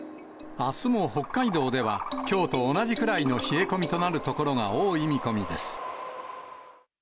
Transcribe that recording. あすも北海道ではきょうと同じくらいの冷え込みとなる所が多い見込みです。